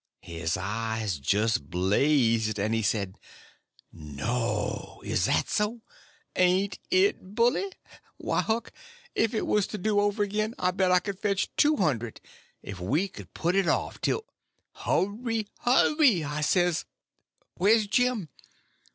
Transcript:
His eyes just blazed; and he says: "No!—is that so? ain't it bully! Why, Huck, if it was to do over again, I bet I could fetch two hundred! If we could put it off till—" "Hurry! hurry!" I says. "Where's Jim?"